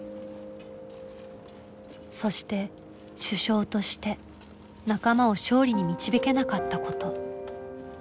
そして主将として仲間を勝利に導けなかったこと。